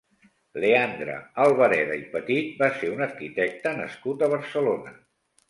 Leandre Albareda i Petit va ser un arquitecte nascut a Barcelona.